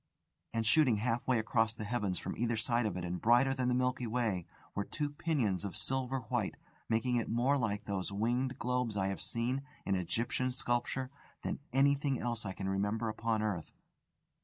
And shooting half way across the heavens from either side of it and brighter than the Milky Way, were two pinions of silver white, making it look more like those winged globes I have seen in Egyptian sculpture than anything else I can remember upon earth.